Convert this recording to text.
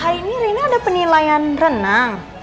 hari ini rena ada penilaian renang